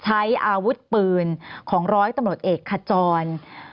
ใช้อาวุธปืนของร้อยตำรวจเอกขจร